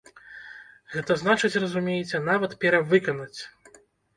Гэта значыць, разумееце, нават перавыканаць!